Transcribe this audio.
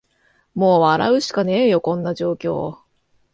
もう笑うしかねーよ、こんな状況